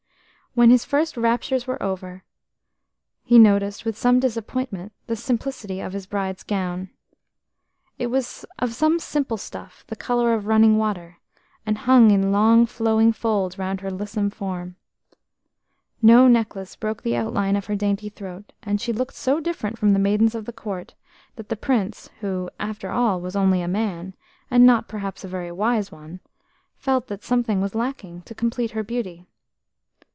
"HE IMMEDIATELY OFFERED THE GOLDEN CUP" When his first raptures were over, he noticed, with some disappointment, the simplicity of his bride's gown. It was of some simple stuff the colour of running water, and hung in long flowing folds round her lissom form. No necklace broke the outline of her dainty throat, and she looked so different from the maidens of the court that the Prince, who, after all, was only a man, and not, perhaps, a very wise one, felt that something was lacking to complete her beauty.